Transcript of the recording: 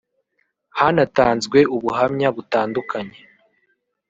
Hanatanzwe ubuhamya butandukanye